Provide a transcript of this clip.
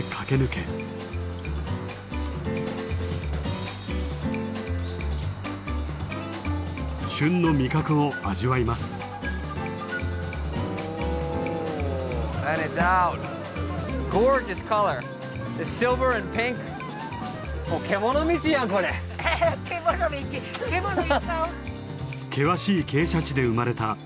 険しい傾斜地で生まれた独特の農業。